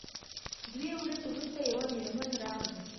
دوې ورځې وروسته یوه میرمن راغله.